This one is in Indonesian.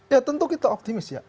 ya tentu kita optimis ya